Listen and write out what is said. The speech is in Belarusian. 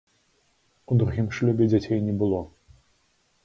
У другім шлюбе дзяцей не было.